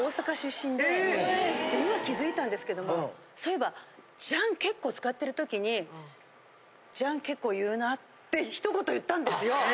今気付いたんですけどもそういえば「じゃん」結構使ってる時に「じゃん」結構言うなぁってひと言言ったんですよ。